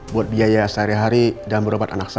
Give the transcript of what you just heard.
buat biaya sehari hari dan merobat anak saya pak